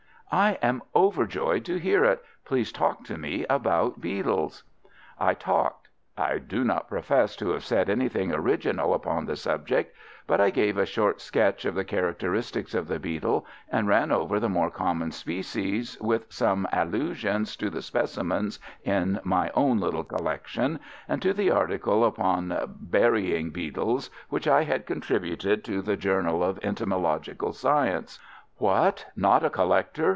"I am overjoyed to hear it. Please talk to me about beetles." I talked. I do not profess to have said anything original upon the subject, but I gave a short sketch of the characteristics of the beetle, and ran over the more common species, with some allusions to the specimens in my own little collection and to the article upon "Burying Beetles" which I had contributed to the Journal of Entomological Science. "What! not a collector?"